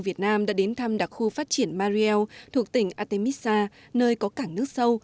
việt nam đã đến thăm đặc khu phát triển mariel thuộc tỉnh artemisa nơi có cảng nước sâu